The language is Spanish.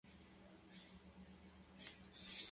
En la actualidad reside en el Estado Bolívar.